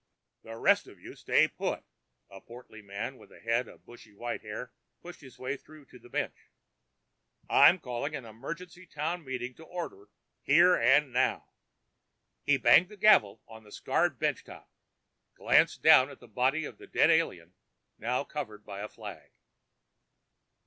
"The rest of you stay put!" a portly man with a head of bushy white hair pushed his way through to the bench. "I'm calling an emergency Town Meeting to order here and now!" He banged the gavel on the scarred bench top, glanced down at the body of the dead alien, now covered by a flag.